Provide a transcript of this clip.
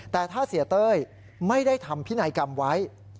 แต่ถ้าเสียเต้ยไม่ได้ทำพินัยกรรมไว้